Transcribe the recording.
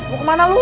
mau kemana lu